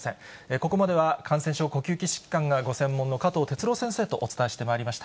ここまでは感染症、呼吸器疾患がご専門の加藤哲朗先生とお伝えしてまいりました。